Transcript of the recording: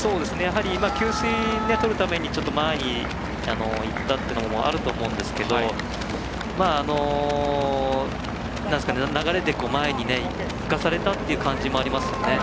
給水、取るために前にいったっていうのもあると思うんですけど流れで前に行かされたっていう感じもありますよね。